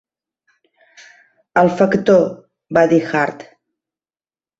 "El factor", va dir Hart.